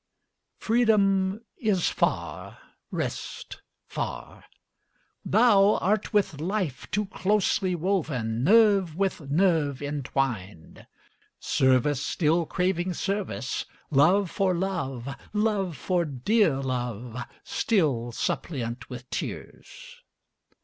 Freedom is far, rest far. Thou art with life Too closely woven, nerve with nerve intwined; Service still craving service, love for love, Love for dear love, still suppliant with tears.